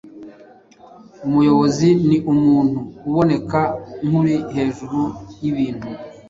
Umuyobozi ni umuntu uboneka nk’uri hejuru y’ibintu,